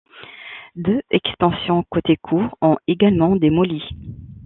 Deux extensions côté cour ont également démolies.